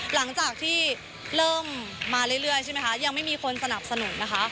หลังจากที่เริ่มมาเรื่อยยังไม่มีคนสนับสนุน